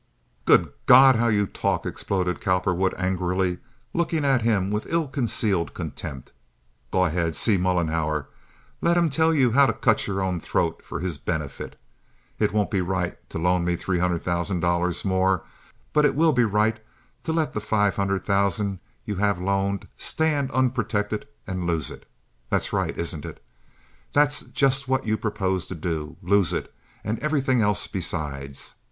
"Good God, how you talk!" exploded Cowperwood, angrily, looking at him with ill concealed contempt. "Go ahead! See Mollenhauer! Let him tell you how to cut your own throat for his benefit. It won't be right to loan me three hundred thousand dollars more, but it will be right to let the five hundred thousand dollars you have loaned stand unprotected and lose it. That's right, isn't it? That's just what you propose to do—lose it, and everything else besides.